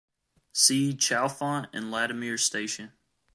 See Chalfont and Latimer station.